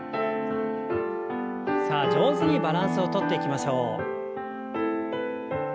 さあ上手にバランスをとっていきましょう。